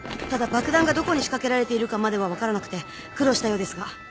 ただ爆弾がどこに仕掛けられているかまでは分からなくて苦労したようですが。